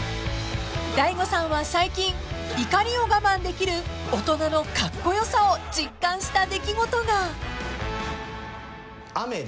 ［大悟さんは最近怒りを我慢できる大人のカッコよさを実感した出来事が］